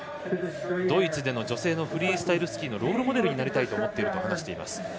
ドイツでの女性のフリースタイルスキーのロールモデルになりたいと思っていると話しています。